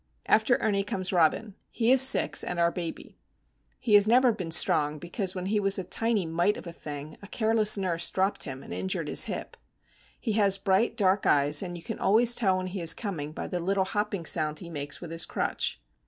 After Ernie comes Robin; he is six, and our baby. He has never been strong, because when he was a tiny mite of a thing a careless nurse dropped him and injured his hip. He has bright, dark eyes, and you can always tell when he is coming by the little hopping sound he makes with his crutch.